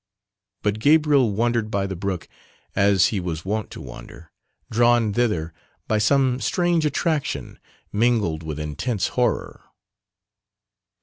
But Gabriel wandered by the brook as he was wont to wander, drawn thither by some strange attraction mingled with intense horror.